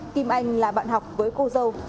kim anh là bạn học với cô dâu